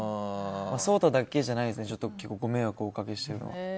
颯太だけじゃないですねご迷惑をおかけしているのは。